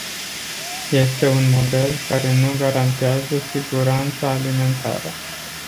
Este un model care nu garantează siguranța alimentară.